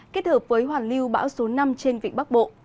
kết hợp với hoàn lưu bão số năm trên vịnh bắc bộ